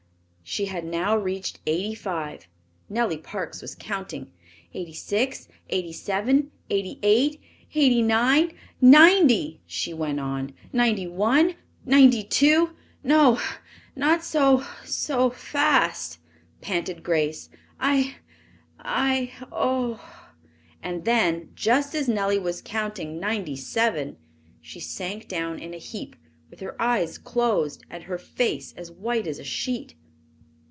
She had now reached eighty five. Nellie Parks was counting: "Eighty six, eighty seven, eighty eight, eighty nine, ninety!" she went on. "Ninety one , ninety two " "No not so so fast!" panted Grace. "I I oh!" And then, just as Nellie was counting "Ninety seven," she sank down in a heap, with her eyes closed and her face as white as a sheet.